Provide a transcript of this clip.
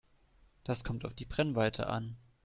Das kommt auf die Brennweite an.